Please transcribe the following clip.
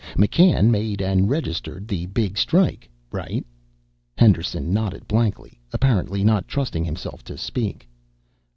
McCann made and registered the big strike, right?" Henderson nodded blankly, apparently not trusting himself to speak.